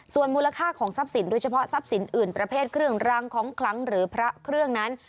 ส่วนมูลค่าของทรัพย์สินโดยเฉพาะทรัพย์สินอื่นประเภทเครื่องรางของคลังหรือพระเครื่องนั้น